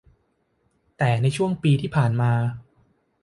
แต่ในช่วงปีที่ผ่านมา